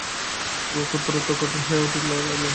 রোগ উত্তরোত্তর কঠিন হইয়া উঠিতে লাগিল।